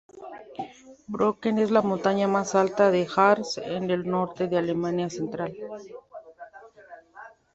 Brocken es la montaña más alta de Harz en el norte de Alemania central.